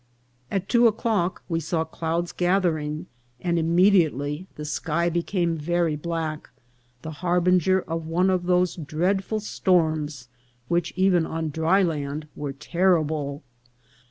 At two o'clock we saw clouds gathering, and imme diately the sky became very black, the harbinger of one of those dreadful storms' which even on dry land were terrible.